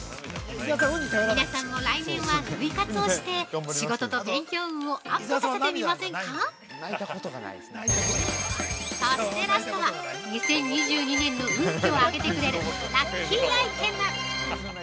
◆皆さんも来年は涙活をして、仕事と勉強運をアップさせてみませんかそしてラストは、２０２２年の運気を上げてくれるラッキーアイテム。